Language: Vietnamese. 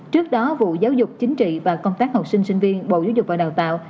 trước đó vụ giáo dục chính trị và công tác học sinh sinh viên bộ giáo dục và đào tạo